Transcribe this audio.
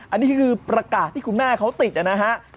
อันนี้คือประกาศที่คุณแม่เขาติดนะฮะ